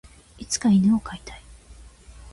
いつか犬を飼いたい。